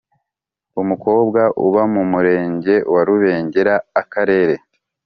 umukobwa uba mu Murenge wa Rubengera Akarere